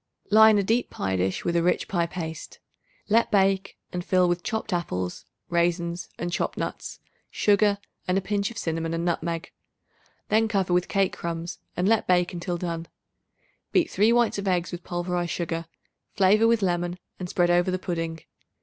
Line a deep pie dish with rich pie paste. Let bake and fill with chopped apples, raisins and chopped nuts, sugar and a pinch of cinnamon and nutmeg. Then cover with cake crumbs and let bake until done. Beat 3 whites of eggs with pulverized sugar; flavor with lemon and spread over the pudding.